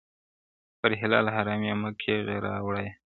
پر حلال حرام یې مه کيږه راوړه یې,